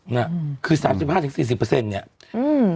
น่ะคือสามสิบห้าเปอร์เซ็นต์ถึงสี่สิบเปอร์เซ็นต์เนี้ยอืม